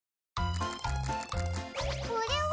これは。